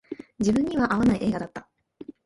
自分には合わない映画だった